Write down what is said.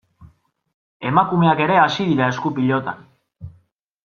Emakumeak ere hasi dira esku-pilotan.